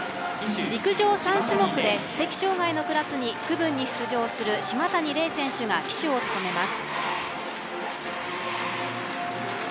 陸上３種目で知的障害の区分に出場する嶋谷玲選手が旗手を務めます。